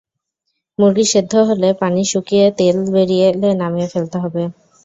মুরগি সেদ্ধ হলে পানি শুকিয়ে তেল বেরিয়ে এলে নামিয়ে ফেলতে হবে।